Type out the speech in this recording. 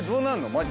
マジ。